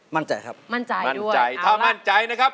มั่นใจครับมั่นใจมั่นใจถ้ามั่นใจนะครับ